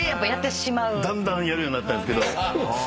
だんだんやるようになったんすけど。